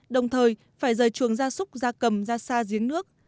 đồng thời phải rời chuồng ra súc ra cầm ra xa giếng nước